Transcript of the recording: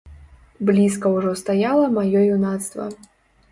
Блізка ўжо стаяла маё юнацтва.